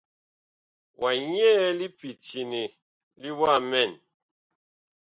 Wa nyɛɛ li pityene li wamɛn.